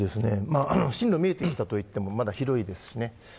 進路が見えてきたといってもまだ広いですね。